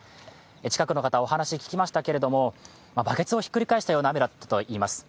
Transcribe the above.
近くの方、お話聞きましたけれどもバケツをひっくり返したような雨だったといいます。